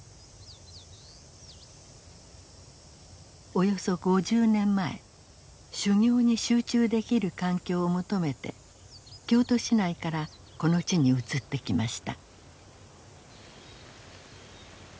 およそ５０年前修行に集中できる環境を求めて京都市内からこの地に移ってきました。